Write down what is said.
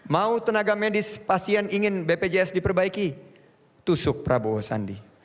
mau tenaga medis pasien ingin bpjs diperbaiki tusuk prabowo sandi